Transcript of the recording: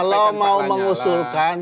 kalau mau mengusulkan